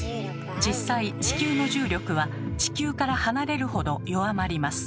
実際地球の重力は地球から離れるほど弱まります。